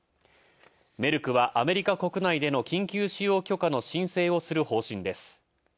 メルクはアメリカ国内での緊急使用許可の申請する方針です。